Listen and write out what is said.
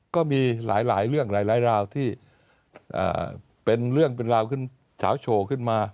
ก็มีหลายเรื่องหลายราวที่เป็นเรื่องเป็นราวขึ้นเฉาโชว์ขึ้นมา